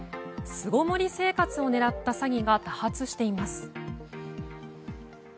巣ごもり生活を狙った詐欺が多発しています。